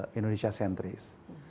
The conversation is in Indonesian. konsep indonesia sentris